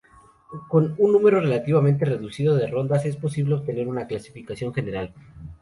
Con un número relativamente reducido de rondas es posible obtener una clasificación general.